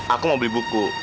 aku mau beli buku